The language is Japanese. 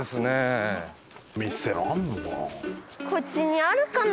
こっちにあるかな？